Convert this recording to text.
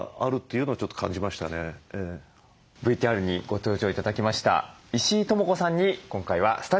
ＶＴＲにご登場頂きました石井智子さんに今回はスタジオにお越し頂きました。